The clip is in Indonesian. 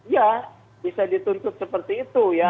ya bisa dituntut seperti itu ya